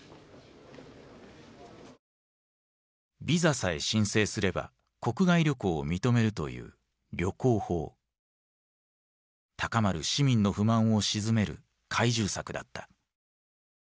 ビザさえ申請すれば国外旅行を認めるという高まる市民の不満を鎮める懐柔策だった。